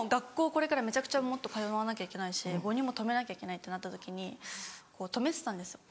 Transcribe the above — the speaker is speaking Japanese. これからめちゃくちゃもっと通わなきゃいけないし母乳も止めなきゃいけないってなった時にこう止めてたんですよ。